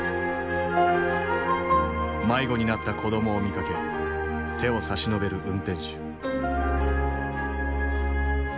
迷子になった子どもを見かけ手を差し伸べる運転手。